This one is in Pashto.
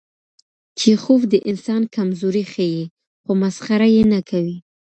چیخوف د انسان کمزوري ښيي، خو مسخره یې نه کوي.